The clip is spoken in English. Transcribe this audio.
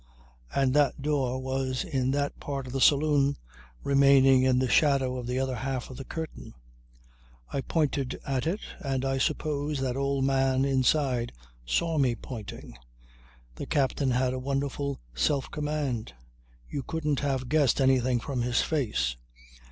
And that door was in that part of the saloon remaining in the shadow of the other half of the curtain. I pointed at it and I suppose that old man inside saw me pointing. The captain had a wonderful self command. You couldn't have guessed anything from his face.